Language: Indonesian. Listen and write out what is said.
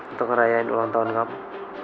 untuk ngerayain ulang tahun kamu